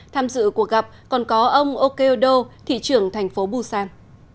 tham dự cuộc gặp còn có ông okeodo thị trưởng thành phố busan